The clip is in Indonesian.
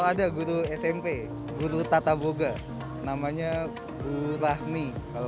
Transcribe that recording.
oh ada guru smp guru tata boga namanya urahmi